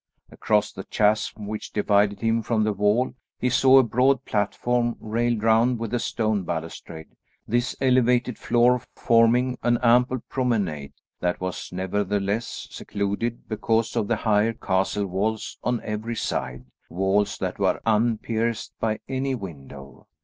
Across the chasm which divided him from the wall he saw a broad platform, railed round with a stone balustrade, this elevated floor forming an ample promenade that was nevertheless secluded because of the higher castle walls on every side, walls that were unpierced by any window.